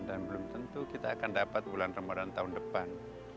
dan belum tentu kita akan dapat bulan ramadan tahun depan